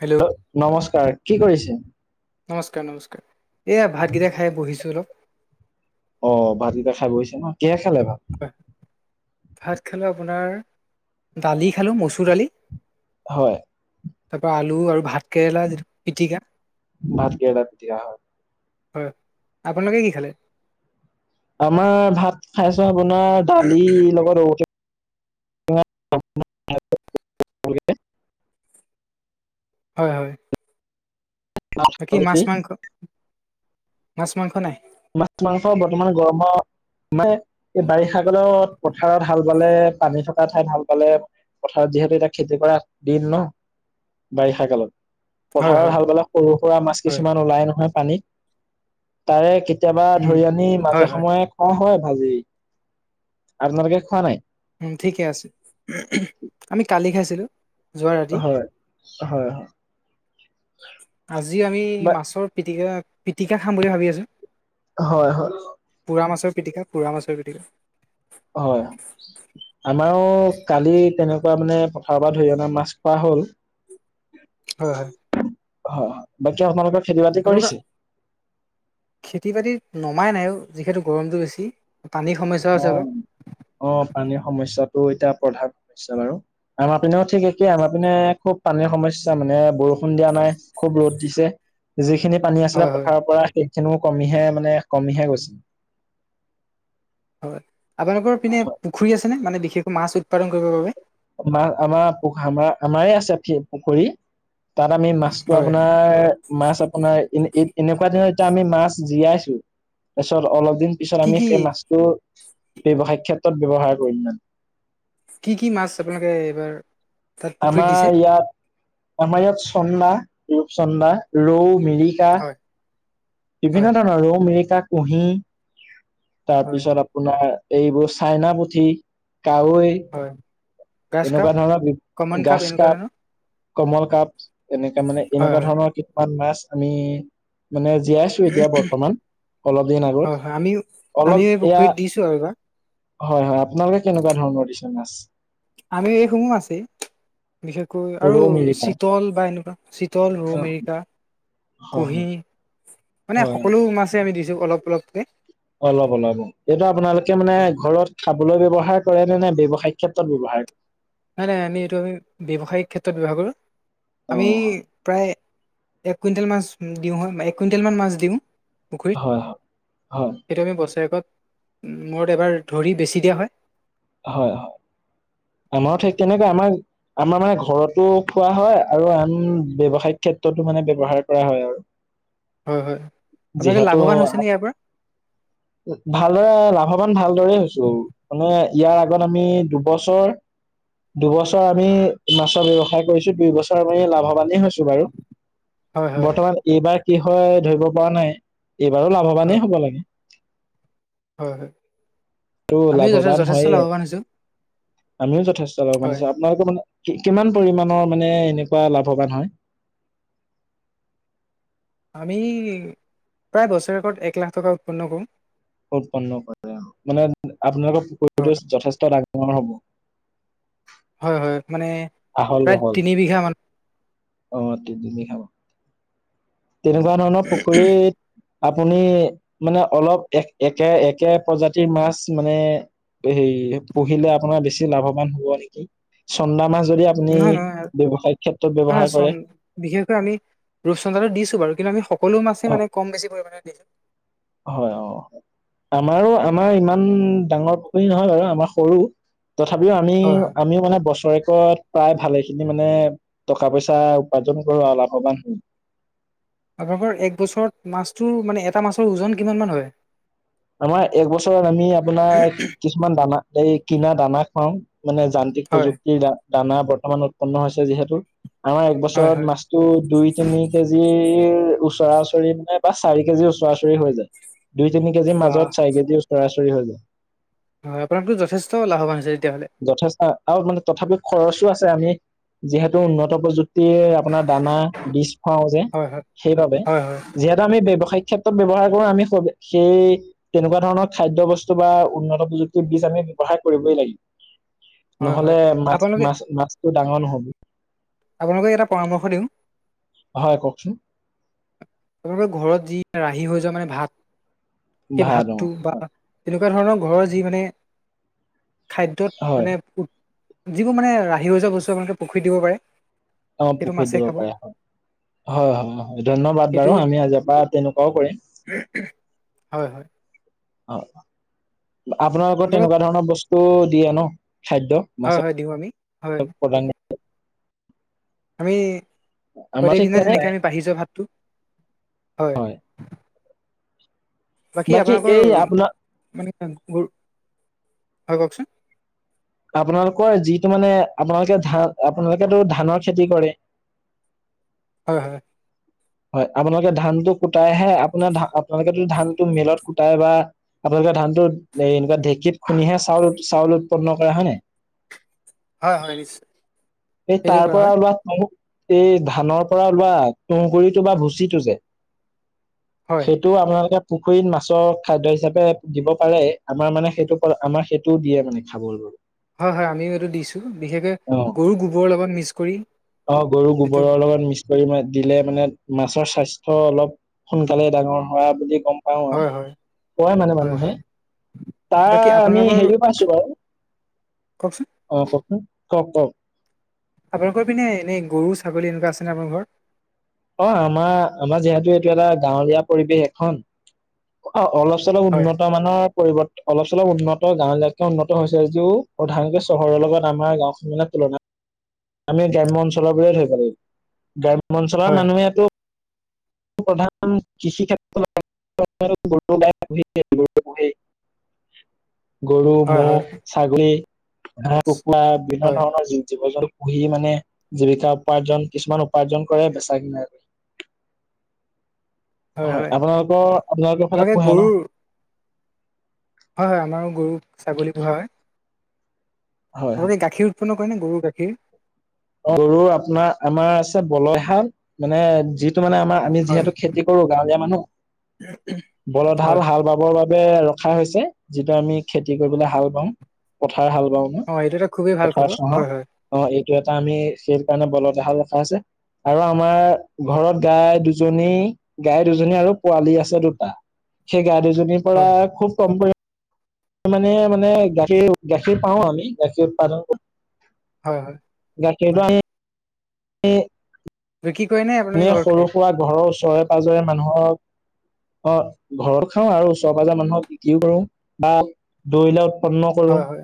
Hello নমস্কাৰ কি কৰিছে নমস্কাৰ নমস্কাৰ এইয়া ভাতকেইটা খাই বহিছোঁ অলপ অ ভাতকেইটা খাই বহিছে ন কিহে খালে ভাত ভাত খালোঁ আপোনাৰ দালি খালো মচুৰ দালি হয় তাৰ পৰাা আলু আৰু ভাত কেৰেলা যিটো পিটিকা ভাত কেৰেলা পিটিকা হয়। হয় আপোনালোকে কি খালে আমাৰ ভাত খাইছ আপোনাৰ দালিৰ লগত ৰ [unintelligible] হয় হয় বাকী মাছ মাংস মাছ মাংস নাই মাছ মাংস বৰ্তমান গৰমৰ মানে এই বাৰিষাাগলত পথাৰত হাল পালে পানী থকা ঠাইত হাল পালে পথাৰত যিহেতু এতিয়া খেতি কৰা দিন ন বাৰিষা কালত হয় পথাৰত হয় হাল বালে সৰু সুৰা মাছ হয় কিছুমান ওলাই নহয় পানীত তাৰে কেতিয়াবা উম ধৰি আনি হয় মাজে হয় সময়ে খোৱা হয় ভাজি আপোনালোকে খোৱা নাই উম ঠিকে আছে আমি কালি খাইছিলো যোৱা ৰাতি হয় হয় হয় আজিও আমি বা মাছৰ পিটিকা পিটিকা খাম বুলি ভাবি আছো হয় হয় পোৰা মাছৰ পিটিকা পুৰা মাছৰ পিটিকা হয় আমাৰো কালি তেনেকুৱা মানে পথাৰৰ পৰা ধৰি অনা মাছ খোৱা হ'ল। হয়, হয়। হয়, বাকী আপোনালোকৰ খেতি বাতি আপোনালোকৰ কৰিছে? খেতি বাতিত নমাই নাইও যিহেতু গৰমটো বেছি। পানীৰ সমস্যাও অ, আছে অলপ অ, পানীৰ সময়চিয়েত এতিয়া প্ৰধান সমস্যা বাৰু আমাৰ পিনেও ঠিক একেই আমাৰ পিনে খুব পানীৰ সমস্যা মানে ব বৰষুণ দিয়া নাই খুব ৰদ দি যিখিনি পানী হয় আছিলে হয় পথাৰৰ পৰা সেইখিনিও কমিহে মানে কমিহে গৈছিল। হয় আপোনালোকৰ পিনে পুখুৰী আছে নে মানে বিশেষকৈ মাছ উৎপাদন কৰিবৰ বাবে? আমাৰ আমাৰু আমাৰ আমাৰে আছে পুখুৰী। তাত আমি মাছটো হয়। আপোনাৰ মাছ আপোনাৰ ইন ইদ এনেকুৱা দিনত এতিয়া আমি মাছ জীয়াইছো তাৰপিছত অলপ দিন পিছত কি আমি কি সেই মাছটো ব্যৱসায়িক ক্ষেত্ৰত ব্যৱহাৰ কৰি্ম। কি কি মাছ আপোনালোকে এইবাৰ তাত পুখুৰীত দিছে? আমাৰ ইয়াত আমাৰ ইয়াত চন্দা চন্দনা ৰৌ মিৰিকা হয় বিভিন্ন হয় ধৰণৰ ৰৌ মিৰিকা কুঁহি হয় তাৰপিছত আপোনাৰ এইবোৰ চাইনা পুঠি কাৱৈ হয় গ্ৰাছ কাপ, এনেকুৱা ধৰণৰ বি কমন গাজ এনেকুৱা কাপ ধৰণৰ কমল কাপ এনেকে মানে হয় এনেকুৱা হয় ধৰণৰ কিছুমান মাছ আমি মানে জীয়াইছো এতিয়া বৰ্তমান অলপ দিন হয় আগত হয় আমিও আমিও অলপ এই এয়া পুখুৰীত দিছো আৰু এইবাৰ হয় হয় আপোনালোকে কেনেকুৱা ধৰণৰ দিছে মাছ? আমি এইসমূহ আছে। বিশেষকৈ আৰু ৰৌ মিৰিকা চিতল বা এনেকুৱা চিতল অ ৰৌমেৰিকা। হয় কুহি হয় মানে হয় সকলো মাছে আমি দিছো অলপ অলপকে। অলপ অলপ অ, এইটো আপোনালোকে মানে ঘৰত খাবলৈ ব্ৱহাৰ কৰে নে নে ব্যৱসায়িক ক্ষেত্ৰত ব্যৱসায় নাই নাই আমি এইটো আমি ব্যৱসায়িক ক্ষেত্ৰত ব্য্ৱহাৰ কৰো। আমি অ', প্ৰায় এক কুইণ্টেল মাছ দিওঁ হয় এক কুইণ্টেল মান মাছ দিওঁ। পুখুৰীত হয় হয় হয় সেইটো আমি বছৰেকত মূৰত এবাৰ ধৰি বেছি দিয়া হয়। হয়। আমাৰো ঠিক তেনেকে আমাৰ আমাৰ মানে ঘৰতো খোৱা হয় আৰু আম ব্য্ৱসায় ক্ষেত্ৰতো মানে ব্যৱহাৰ কৰা হয় আৰু। হয়, হয় আপোনালোকে যিহেতু লাভৱান হৈছে নি ইয়াৰ পৰা? ভালদৰে লাভৱান ভালদৰে হৈছো মানে ইয়াৰ আগত আমি দুবছৰ দুবছৰ আমি মাছৰ ব্য়ৱসায় কৰিছো দুই বছৰ আমি লাভৱানেই হৈছো। বাৰু হয় হয় বৰ্তমান এইবাৰ কি হয় ধৰিব পৰা নাই। এইবাৰো হয় লাভৱানেই হ'ব লাগে। হয়। আৰু আমিও যথে লাভৱান যথেষ্ট লাভৱান হৈছোঁ হয়য়ে আমিও যথেষ্ট লাভৱান হয় আছো আপোনালোকৰ মানে কিমান পৰিমমানৰ মানে এনেকুৱা লাভৱান হয়? আমি প্ৰায় বছৰেকত এক লাখ টকা উৎপন্ন কৰোঁ। উৎপন্ন কৰে আৰু মানে আপোনালোকৰ হয় পৰিৱেশ যথেষ্ট ডাঙাঙৰ হ'ব। হয় হয় মানে আহল প্ৰায় বহল তিনি বিঘা মান। অ তিনিবিঘা তেনেকুৱা ধৰণৰ পুখুৰীত আপুনি মানে অলপ এক একে একে প্ৰজাতিৰ মাছ মানে এইে পু়িলে আপোনাৰ বেছি লাভবান হব নেকি চন্দাম মাছ যদি আপুনি নহয় নহয় নহয় ব্যৱসায় ক্ষেত্ৰত ব্যৱহাৰ কৰে। ৰূপচন্দ্ৰাটো দিছো বাৰু, কিন্তু আমি সকলো মাছেই মানে কম বেছি পৰিমাণে দি হয় অ'। আমাৰো, আমাৰ ইমান ডাঙৰ পুখুৰী নহয় বাৰু, আমাৰ সৰু। তথাপিও আমি, হয় হয় আমিও মানে বছৰে ক'ত, প্ৰায় ভালে খিনি মানে টকা পইচা উপাৰ্জন কৰো আৰু লাভৱান হ আপোনালোকৰ এক বছৰত মাছটোৰ মানে, এটা মাছৰ ওজন কিমান মান হয়। আমাৰ এক বছৰত আমি আপোনাৰ কিছুমান দানা, এই কিনা দানা খুৱও। মানে যান্ত্ৰিক হয় প্ৰযুক্তিৰ দ, দানা বৰ্তমান উৎপন্ন হৈছে যিহেতু। আমাৰ হয় হয় একবছৰত মাছটো দুই তিনি কেজিৰ ওচৰা-ওচৰি মানে বা চাৰি কেজি ওচৰা-ওচৰি হৈ যায়, দুই তিনি কেজি বাহ মাজত চাৰি কেজি ওচ ওচৰা-ওচৰি হৈ যায়। হয়, আপোনাৰতো যথেষ্ট লাভৱান হৈছে। তেতিয়াহ'লে যথেষ্ট আৰু মানে, তথাপি খৰচো আছে আমি যিহেতু উন্নত প্ৰযুক্তি আপোনাৰ দানা বীজ খুৱাও যে হয় হয় সেইবাবে, হয় হয় যিহেতু আমি ব্যৱসায়িক ক্ষেত্ৰ ব্যৱহাৰ কৰো, আমি স সেই তেনেকুৱা ধৰণৰ খাদ্য বস্তু বা উন্নত প্ৰযুক্তিৰ বীজ আমি ব্যৱহাৰ সহায় কৰিবই লাগিব। হয় হয় নহ'লে, মাছ মাছ মাছটো ডাঙৰ নহ'ব। আপোনালোকক এটা পৰামৰ্শ দিওঁ। হয় কওঁকচোন। আপোনালোকৰ ঘৰত যি ৰাহি হৈ যোৱা মানে ভাত, সেই ভাল অ ভাতটো বা তেনেকুৱা ধৰণৰ ঘৰৰ যি মানে, খাদ্যত হয় মানে যিবোৰ মানে ৰাহি ৰই যোৱা বস্তু, আপোনালোকে পুখুৰীত দিব পাৰে। অ' সেইটো পুখুৰীত মাছে দিব খাব পাৰে হয়। হয় হয় হয় ধন্যবাদ। সেইটো বাৰু আমি আজিৰ পৰা তেনেকুৱাও কৰিম। হয় হয় অ', আপোনালোকৰ আপোনালোক তেনেকুৱা ধৰণৰ বস্তু দিয়ে ন? খাদ্য, হয় হয় দিওঁ আমি হয় মাছৰ দিম প্ৰদান আমি আমাৰ প্ৰত্যেক ঠিক দিনাই তেনে তেনেকে আমি বাঢ়ি যোৱা ভাতটো, হয়। বাকী আপোনালোকৰ এই আপোনাৰ মানে হয় কওঁকচোন? আপোনালোকৰ যিটো মানে, আপোনালোকে ধান আপোনালোকোটো ধানৰ খেতি কৰে। [unintelligible] হয় হয়। হয়, আপোনালোকে ধানটো কুটাইহে, আপোনাৰ ধ আপোনালোকে ধানটো মেলত কুটাই বা আপোনাল এ ধানতো, এ এনেকুৱা ঢেঁকীত খুন্দিহে চাউল চাউল উৎপন্ন কৰে হয় ন। হয় হয়, নিশ্চয় এই সেইটোৱে তাৰ কৰা হয় পৰা চি এই ধানৰ পৰা ওলোৱা তুঁহগুৰিটো বা ভুচিটো যে, হয় সেইটো আপোনালোকে পুখুৰীত মাছৰ খাদ্য হিচাপে দিব পাৰে। আমাৰ মানে সেইটো, আমাৰ সেইটোও দিয়ে মানে খাবলৈ। হয় হয়, আমিও এইটো দিছোঁ, বিশেষকৈ অ গৰু গোবৰৰ লগত মিক্স কৰি। অ' গৰু যিটো গোবৰৰ লগত মিক্স কৰি দিলে মানে- মাছৰ স্বাস্থ্য অলপ সোনকালে ডাঙৰ হোৱা বুলি গ'ম পাওঁ, হয় হয় কয় মানে হয় হয় মানুহে। তাৰ বাকী আমি আপোনালোকৰ হেৰিও পাইছো বাৰু। কওকচোন অ' কওঁকচোন ক'ক ক'ক। আপোনালোকৰ পিনে এনেই গৰু ছাগলী এনেকুৱা আছেনে? আপোনালোকৰ অ' আমাৰ, আমাৰ যিহেতু এইটো এটা গাঁৱলীয়া পৰিৱেশ এখন। অ', অলপ চলপ হয় উন্নত মানৰ পৰিৱৰ্তন অলপ চলপ উন্নত গাঁও এলাকে উন্নত হৈছে যদিও সধাৰানকে চহৰৰ লগত আমাৰ গাওখন মে তুলনাাত আমি গ্ৰাম্য অঞ্চলৰ বো থৰি পাৰিম গ্ৰাম্য অঞ্চলৰ হয় মানুহেতটো প্ৰধান কৃষি ক্ষেত্ৰ [unintelligible] গৰু হয় মু'হ হয় ছাগলী হহ কুকুৰা বিভিন্ন হয় ধৰণৰ জীৱ জন্তু বহি মানে জীৱিকা উপাৰ্জন কিছুমান উপাৰ্জন কৰে বেচা কিনাক হয় আপোনালোকৰ আপোনালোকৰ সদ আপোনালোকে পোঢ়ে ন গৰুৰ হয় হয় আমাৰো গৰু ছাগলীবোৰ হয় হয় আৰু হয় এই গাখীৰ উৎপন্ন কৰে নে গৰুৰ গাখীৰ গৰু আপোনাৰ আমাৰ আছে বলয়হা মানে যি মানে আমাৰ আমি হয় যিহেতু খেতি কৰো গাঁৱলীয়া মানুহ বল হয় হাল হয়। হাল বাবৰ বাবে ৰখা হৈছে যিটো আমি খেতি কৰিবলৈ হাল বওঁ পথাৰ হাল বাও ন অ এইটো এটা খুবেই ভাল পথাৰ খবৰ চহা হয় হয় অ এইটো আমি সেই কাৰণে বলতাল ৰখা আছে আৰু আমাৰ হয় ঘৰত গাই দুজনী গাই দুজনী আৰু পোৱালী আছে দুটা সেই গাই দুজনীৰ পৰা হয় খুব কম পৰি মানে মানে গাখীৰ গাখীৰ পাও আমি গাখীৰ উৎপাদন কৰো হয় হয় হয় এ বিক্ৰী কৰে নে আপোনালোকে এনে ঘৰত সৰু খায় সুৰা ঘৰৰ ওচৰে পজৰে মানুহৰ অ ঘৰত খাও আৰু ওচৰ পাঁজৰ মানুহক বিক্ৰীও কৰো বা দৰিলা উন্ন কৰো হয় হয়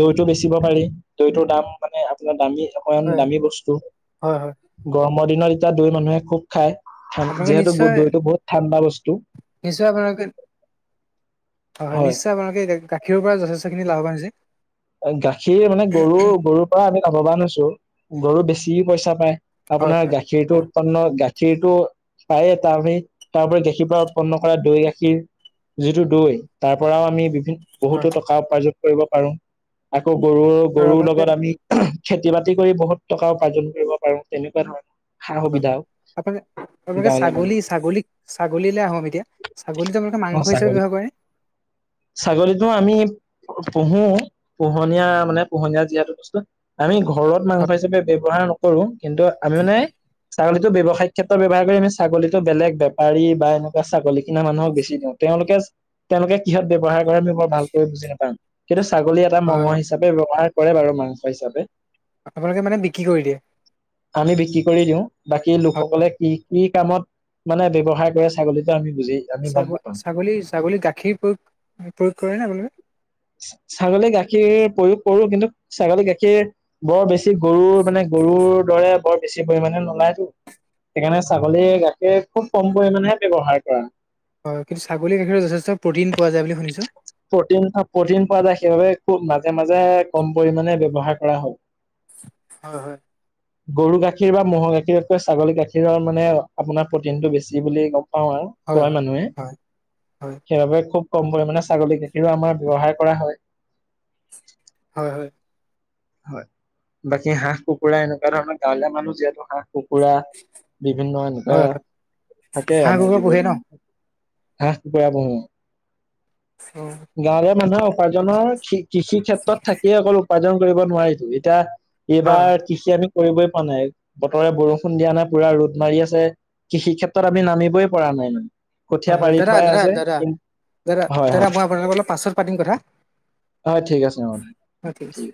দৈতটো বেচিব পাৰি দৈটোৰ দাম মানে আপোনাৰ দামী অকমান হয় দামী বস্তু হয় হয় গৰমৰ দিনত এতিয়া দুই মানুহে খুব খায়। আপোনালোকে যিহেতু গুৰ নিশ্চয় দৈটো বহুত ঠাণ্ডা বস্তু। নিশ্চয় আপোনালোকে হয় হয় নিশ্চয় আপোনালোকে গাখীৰৰ পৰা যথেষ্টখিনি লাভৱানছে। গাখীৰ মানে, গৰু গৰুৰ পৰা আমি লাভৱান হৈছো গৰু বেছি পইচা পায়। হয় আপোনাৰ হয় গাখীৰতটো উৎপন্ন গাখিৰ সিৰটো পায়ে, তাৰ উপৰি তাৰপৰা গাখীৰ পৰা উৎপন্ন কৰা দৈ গাখীৰ যিটো দৈ, তাৰ পৰাও আমি বিভি হয় বহুতো টকা উপাৰ্জন কৰিব পাৰো আকৌ গৰু আৰু গৰুৰ আপোনালোকে লগত আমি খেতি বাতি কৰি বহুত টকা উপাৰ্জন কৰিব পাৰো তেনেকুৱা ধৰণৰ। সা হয় হয় সুবিধাও আপোন আপোনালোকে গাঁৱলীয়া ছাগলী মানুহ ছাগলী ছাগলীলৈ আহো এতিয়া ছাগলী মাংস হিচাপে ব্যবহাৰ কৰে। ছাগলীতো আমি পোহো, পোহনীয়া মানে পোহনীয়া যিহেতু বস্তু আমি ঘৰত মাংস হয় হিচাপে ব্যৱহাৰ নকৰো কিন্তু আমি মানে চাগ ৱসায় ক্ষেতত ব্ৱহাৰ কৰি, আমি ছাগলীতো, বলেগ বেপাৰী বা এনেকুৱা ছাগলী কিনা মানুহক বেছি দিওঁ, তেওঁলোকে তেওঁলোকে কিহত ব্যৱহাৰ কৰে আমি বৰ ভালকৈ বুজি নাপাম, কিন্তু ছাগলী এটা মঙহ হয় হিচাপে ব্যৱহাৰ কৰে বাৰু মাংস হিচাপে আপোনালোকে মানে বিক্ৰী কৰি দিয়ে। আমি বিক্ৰী কৰি দিওঁ বাকী হয় হয় লোকসকলে কি কি কামত মানে ব্যৱহাৰ কৰে ছাগলীতটো আমি বুজি আমি গম ছাগল নাপাম ছাগলী ছাগলী গাখীৰ প্ৰয়োগ প্ৰয়োগ কৰেনে আপোনালোকে ছাগলী গাখীৰ প্ৰয়োগ কৰো, কিন্তু ছাগলী গাখীৰ বৰ বেছি গৰুৰ মানে গৰুৰ দৰে বৰ বেছি পৰিমমানে নোলাইতো। সেইকাৰণে ছাগলীয়ে গাখিৰ খুব কম পৰিমামানেহে ব্যৱহাৰ কৰা। হয় কিন্তু ছাগলী গাখিতো প্ৰটিন পোৱা যায় বুলি শুনিছো প্ৰটিন প্ৰটিন পোৱা যায় সেইবাবে খুব ন মাজে মাজে কম পৰিমমানে ব্যৱহাৰ কৰা হয়। হয় হয় গৰু গাখীৰ বা ম'হৰ গাখীৰতকৈ ছাগলী গাখীৰৰ মানে আপোনাৰ প্ৰটিন টো বেছি বুলি ক পাওঁ আৰু হয় কয় মানুহে, হয় হয় সেইবাবে খুব কম পৰিমাণে ছাগলীক তেওঁ আমাৰ ব্যৱহাৰ কৰা হয়। হয় হয়। হয়, বাকী হাঁহ কুকুৰা এনেকুৱা ধৰণৰ গাঁৱলীয়া মানুহ যিহেতু হাঁহ কুকুৰা বিভিন্ন এনেকুৱা, হয় হয় থাকে হাঁহ আমাৰ কুকুৰা জীৱ পোহে ন অ জন্তু হাঁহ কুকৰা বহ গাঁৱৰে মানুহে উপাৰ্জনৰ কৃষি ক্ষেত্ৰত থাকিয় অকল উপাৰ্জন কৰিব নোৱাৰিতো, এতিয়া হয় হয় এইবাৰ কৃষি আমি কৰিবই পোৱা নাই বতৰে বৰষুণ দিয়া নাই পুৰা ৰ'দ মাৰি আছে। কৃষি ক্ষেত্ৰত আমি নামিবই পৰা নাই মানে। কঠীয়া হয়, হয়, পাৰি দাদা থোৱাই দাদা আছে দাদা দাদা হয় দাদা হয় মই আপোনালোকৰ অলপ পাছত পাতিম কথা। হয় ঠিক আছে হবদে। অ ঠিক আছে